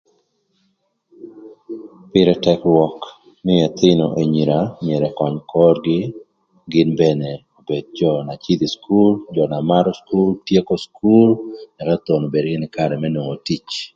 Pïrë tëk rwök nï ëthïnö enyira myero ëköny korgï, gïn mene obed jö na cïdhö ï cukul, jö na marö cukul, tyeko cukul, ëka thon obed gïnï kï karë më nwongo tic.